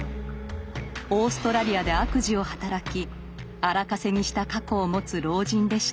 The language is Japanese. オーストラリアで悪事を働き荒稼ぎした過去を持つ老人でした。